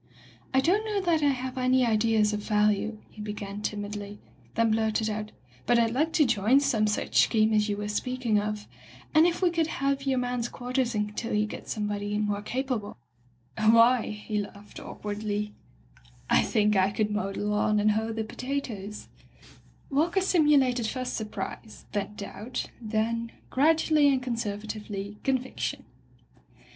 "I don't know that I have any ideas of value,*' he began timidly, then blurted out, "but Fd like to join some such scheme as you were speaking of— and if we could have [ 364 ] Digitized by LjOOQ IC By the Sawyer Method your man's quarters until you get somebody more capable, why '*— ^he laughed awkwardly — "I think I could mow the lawn and hoe the potatoes." Walker simulated first surprise, then doubt, then, gradually and conservatively, conviction.